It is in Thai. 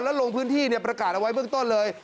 แล้วลงพื้นที่ประกาศเอาไว้เบื้องต้นเลย